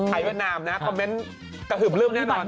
เวียดนามนะคอมเมนต์กระหึบลื้มแน่นอน